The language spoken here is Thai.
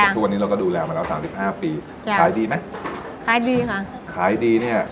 ทุกวันนี้เราก็ดูแลมาแล้วสามสิบห้าปีขายดีไหมขายดีค่ะขายดีเนี้ย